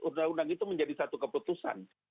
undang undang itu menjadi satu keputusan